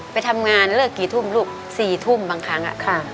ไปทำงานเลิกกี่ทุ่มลูก๔ทุ่มบางครั้ง